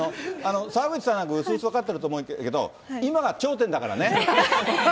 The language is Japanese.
澤口さんなんかうすうす分かってると思うんだけど、今が頂点だからね。